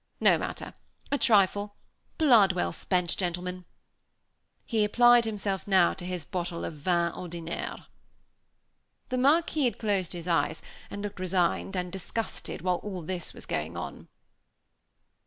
No matter. A trifle. Blood well spent, gentlemen." He applied himself now to his bottle of vin ordinaire. The Marquis had closed his eyes, and looked resigned and disgusted, while all this was going on.